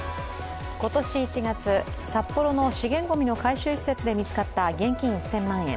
今年１月、札幌の資源ゴミの回収施設で見つかった現金１０００万円。